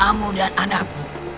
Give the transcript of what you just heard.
kamu dan anakmu